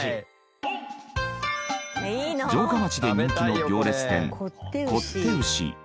城下町で人気の行列店こって牛。